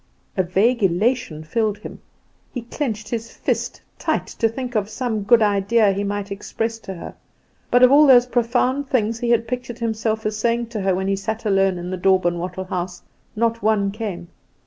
A vague elation filled him. He clinched his fist tight to think of some good idea he might express to her; but of all those profound things he had pictured himself as saying to her, when he sat alone in the daub and wattle house, not one came.